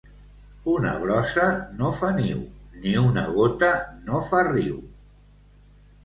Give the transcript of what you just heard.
Una brossa no fa niu, ni una gota no fa riu.